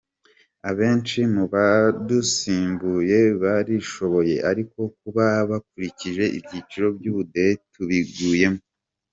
Abenshi mubadusimbuye barishoboye ariko kuba bakurikije ibyiciro by’ubudehe tubiguyemo.